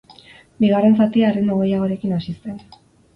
Bigarren zatia erritmo gehiagorekin hasi zen.